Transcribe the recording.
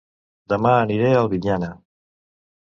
Dema aniré a Albinyana